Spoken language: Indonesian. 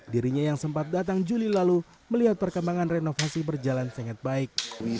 dirinya yang sempat datang juli lalu melihat perkembangan renovasi berjalan sangat baik